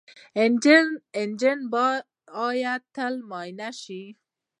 انجن باید تل معاینه شي.